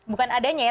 bukan adanya ya